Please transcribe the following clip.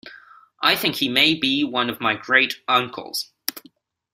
I think he may be one of my great uncles.